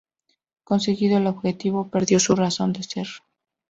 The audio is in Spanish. Conseguido el objetivo perdió su razón de ser.